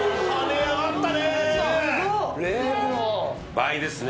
倍ですね。